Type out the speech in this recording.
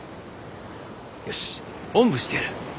よしおんぶしてやる。